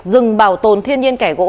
rừng bảo tồn thiên nhiên kẻ gỗ